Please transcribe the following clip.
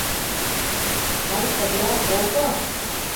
— Кай, Кырля, колто!